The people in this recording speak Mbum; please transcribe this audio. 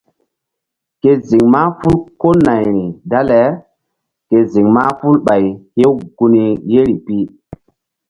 Ke ziŋ mahful ko nayri dale ke ziŋ mahful Ɓay hew gun yeri pi.